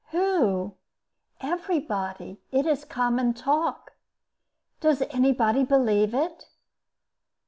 "Who?" "Everybody; it is common talk." "Does anybody believe it?"